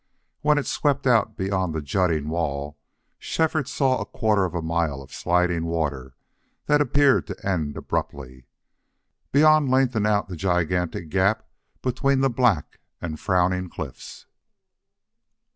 When it swept out beyond the jutting wall Shefford saw a quarter of a mile of sliding water that appeared to end abruptly. Beyond lengthened out the gigantic gap between the black and frowning cliffs.